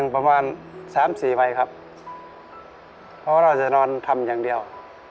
เพราะว่าเราจะนอนทำอย่างเดียว